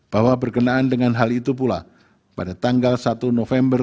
bahwa berkenaan dengan hal itu pula pada tanggal satu november dua ribu dua puluh tiga